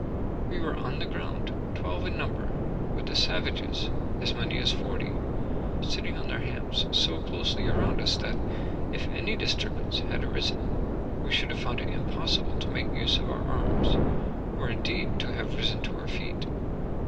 We were on the ground, twelve in number, with the savages, as many as forty, sitting on their hams so closely around us that, if any disturbance had arisen, we should have found it impossible to make use of our arms, or indeed to have risen to our feet.